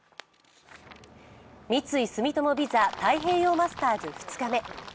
三井住友ＶＩＳＡ太平洋マスターズ２日目。